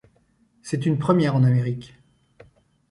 C'est une première en Amérique.